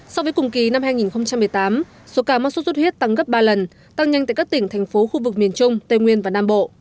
so với cùng kỳ năm hai nghìn một mươi tám số ca mắc sốt xuất huyết tăng gấp ba lần tăng nhanh tại các tỉnh thành phố khu vực miền trung tây nguyên và nam bộ